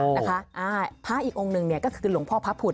นะคะอ่าพระอีกองค์หนึ่งเนี่ยก็คือหลวงพ่อพระพุทธ